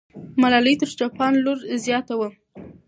ملالۍ تر چوپان لور زیاته وه.